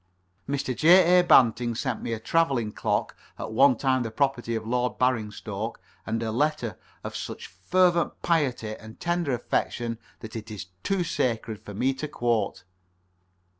Mr. J. A. Banting sent me a travelling clock at one time the property of Lord Baringstoke, and a letter of such fervent piety and tender affection that it is too sacred for me to quote.